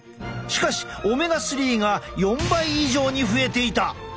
しかしオメガ３が４倍以上に増えていた。